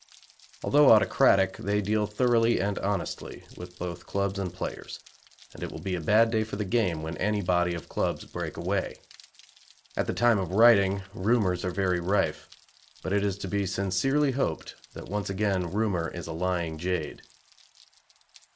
Although autocratic, they deal thoroughly and honestly with both clubs and players, and it will be a bad day for the game when any body of clubs break away. At the time of writing rumours are very rife, but it is to be sincerely hoped that once again "rumour is a lying jade."